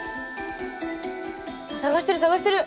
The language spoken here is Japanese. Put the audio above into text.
探してる探してる。